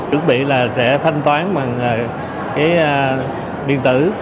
chuẩn bị là sẽ thanh toán bằng cái điện tử